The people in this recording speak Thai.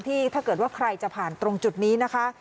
ถ้าเกิดว่าใครจะผ่านตรงจุดนี้นะคะ